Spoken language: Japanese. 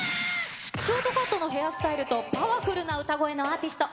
ショートカットのヘアスタイルと、パワフルな歌声のアーティスト。